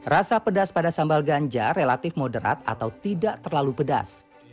rasa pedas pada sambal ganja relatif moderat atau tidak terlalu pedas